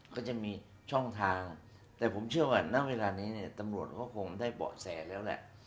ก็จะมีช่องทางแต่ผมเชื่อว่าณเวลานี้เนี่ยตำรวจก็คงได้เบาะแสแล้วแหละ